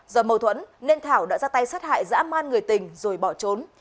do mâu thuẫn nên thảo đã ra tay sát hại dã man người tình rồi bỏ trốn